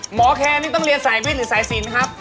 แคนนี่ต้องเรียนสายวิทย์หรือสายสินครับ